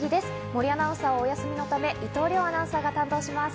森アナウンサーは休みのため、伊藤遼アナウンサーが担当します。